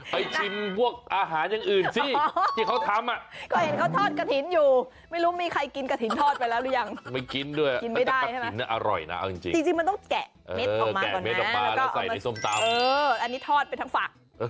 ไปชิมพวกอาหารอย่างอื่นสิที่เขาทำ